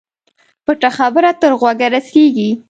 پټه خبره تر غوږه رسېږي.